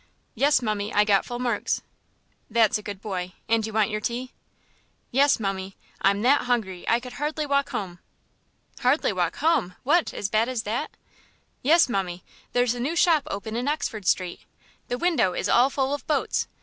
"Yes, mummie, I got full marks." "That's a good boy and you want your tea?" "Yes, mummie; I'm that hungry I could hardly walk home." "Hardly walk home! What, as bad as that?" "Yes, mummie. There's a new shop open in Oxford Street. The window is all full of boats.